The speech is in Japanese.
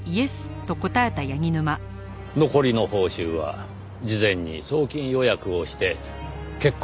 残りの報酬は事前に送金予約をして決行